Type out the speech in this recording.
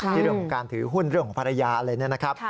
ที่เรื่องของการถือหุ้นเรื่องของภรรยาเลยนะครับ